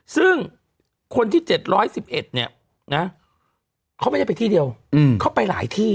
ซึ่งคนที่๗๑๑เนี่ยนะเขาไม่ได้ไปที่เดียวเขาไปหลายที่